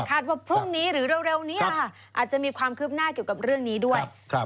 ว่าพรุ่งนี้หรือเร็วนี้ค่ะอาจจะมีความคืบหน้าเกี่ยวกับเรื่องนี้ด้วย